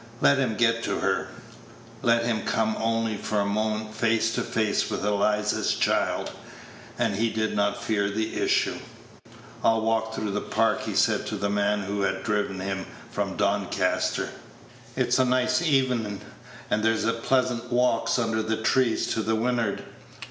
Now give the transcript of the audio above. Let him get to her let him come only for a moment face to face with Eliza's child, and he did not fear the issue. "I'll walk through the Park," he said to the man who had driven him from Doncaster; Page 119 "it's a nice evenin', and there's pleasant walks under the trees to win'ard.